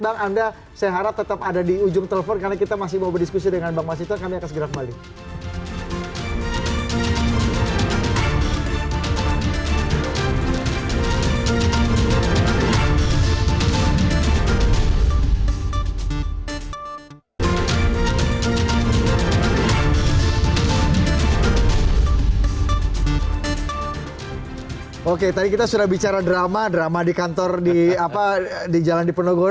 bang saya harap anda tetap ada di ujung telepon karena kita masih mau berdiskusi dengan bang mas hinton